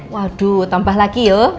waduh tambah lagi yuk